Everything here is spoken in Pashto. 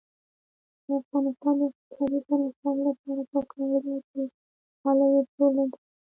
د افغانستان د اقتصادي پرمختګ لپاره پکار ده چې غالۍ وپلورل شي.